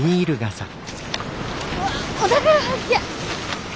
お宝発見！